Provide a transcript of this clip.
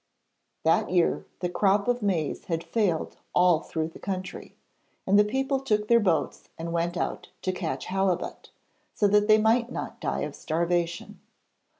That year the crop of maize had failed all through the country, and the people took their boats and went out to catch halibut, so that they might not die of starvation.